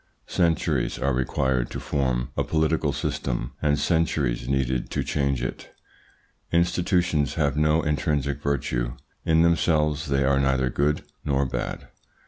Centuries are required to form a political system and centuries needed to change it. Institutions have no intrinsic virtue: in themselves they are neither good nor bad.